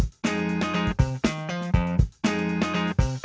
kisaran harga produk motiviga